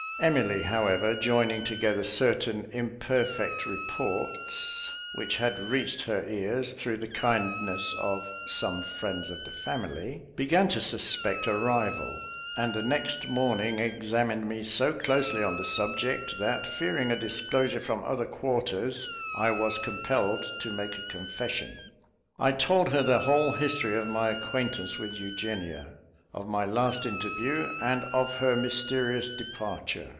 Emily, however, joining together certain imperfect reports which had reached her ears, through the kindness of "some friends of the family," began to suspect a rival, and the next morning examined me so closely on the subject, that fearing a disclosure from other quarters, I was compelled to make a confession. I told her the whole history of my acquaintance with Eugenia, of my last interview, and of her mysterious departure.